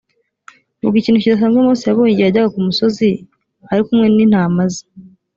vuga ikintu kidasanzwe mose yabonye igihe yajyaga ku musozi ari kumwe n intama ze